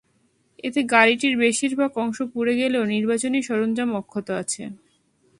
এতে গাড়িটির বেশির ভাগ অংশ পুড়ে গেলেও নির্বাচনী সরঞ্জাম অক্ষত আছে।